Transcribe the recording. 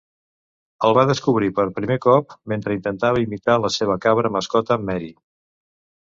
El va descobrir per primer cop mentre intentava imitar la seva cabra mascota Mary.